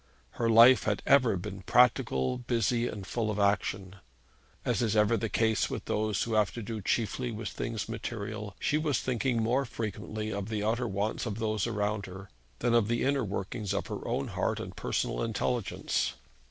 Her life had ever been practical, busy, and full of action. As is ever the case with those who have to do chiefly with things material, she was thinking more frequently of the outer wants of those around her, than of the inner workings of her own heart and personal intelligence.